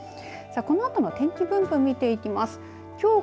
このあとの天気分布を見ていきます。